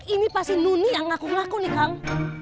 ini pasti nuni yang ngaku ngaku nih kang